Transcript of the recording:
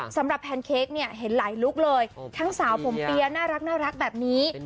แพนเค้กเนี่ยเห็นหลายลุคเลยทั้งสาวผมเปียน่ารักแบบนี้